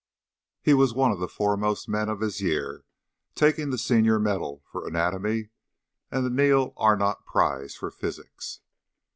He was one of the foremost men of his year, taking the senior medal for anatomy, and the Neil Arnott prize for physics.